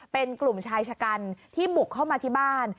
เป็นกลุ่มชายชะกันที่บุกเข้ามาที่บ้าน